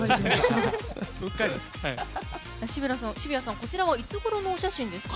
渋谷さん、こちらはいつごろのお写真ですか？